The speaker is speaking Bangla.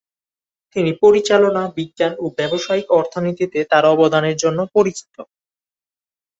তিনি পরিচালনা বিজ্ঞান ও ব্যবসায়িক অর্থনীতিতে তাঁর অবদানের জন্য পরিচিত।